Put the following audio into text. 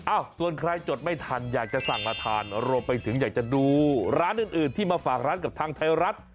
ส่วนใครจดไม่ทันอยากจะสั่งมาทานรวมไปถึงอยากจะดูร้านอื่นที่มาฝากร้านกับทางไทยรัฐ